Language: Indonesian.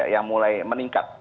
yang mulai meningkat